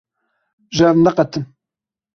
Ji hev neqetin!